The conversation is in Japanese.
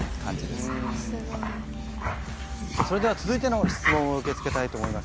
さあそれでは続いての質問を受け付けたいと思います。